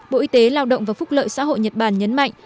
bộ y tế lao động và phúc lợi xã hội nhật bản nhấn mạnh